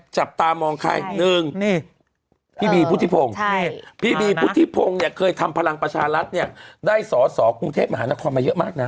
จับตามองใคร๑พี่บีพุทธิพงศ์พี่บีพุทธิพงศ์เนี่ยเคยทำพลังประชารัฐเนี่ยได้สอสอกรุงเทพมหานครมาเยอะมากนะ